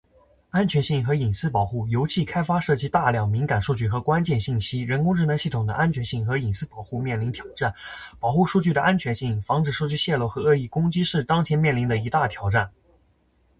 安全性和隐私保护：油气开发涉及大量敏感数据和关键信息，人工智能系统的安全性和隐私保护面临挑战。保护数据的安全性，防止数据泄露和恶意攻击是当前面临的一大挑战。